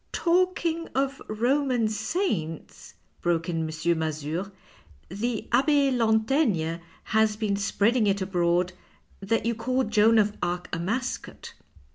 " Talking of Roman saints," broke in M. Mazure, " the Abbe Lantaigne has been spreading it abroad that you called Joan of Arc a mascot."